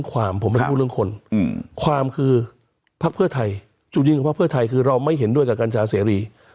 ความคือภักดิ์เพื่อไทยจุดยืนกับภักดิ์เพื่อไทยคือเราไม่เห็นด้วยกับกัญชาเสรี